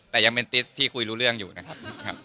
แต่ยังเป็นติ๊ดที่คุยรู้เรื่องอยู่นะครับ